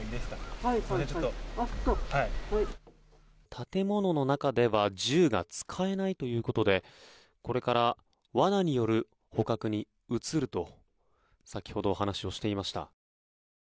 建物の中では銃が使えないということでこれから罠による捕獲に移ると先ほどお話をしていました。